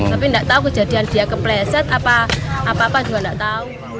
tapi nggak tahu kejadian dia kepleset apa apa juga nggak tahu